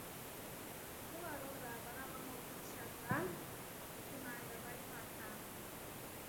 Twevarora vana vomutu kishaka kimanda vali vata.